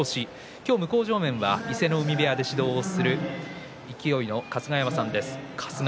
今日、向正面は伊勢ノ海部屋で指導をする勢の春日山さんです。